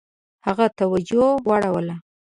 هغه توجه واړوله.